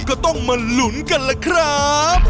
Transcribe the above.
ก็ต้องมาลุ้นกันล่ะครับ